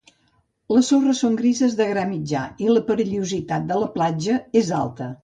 Les sorres són grises de gra mitjà i la perillositat de la platja és alta.